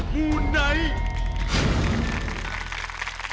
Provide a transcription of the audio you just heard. มูไหน